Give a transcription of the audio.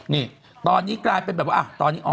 นี่ตอนนี้กลายเป็นแบบว่าตอนนี้